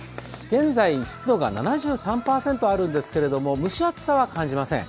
現在、湿度が７３％あるんですけれども、蒸し暑さは感じません。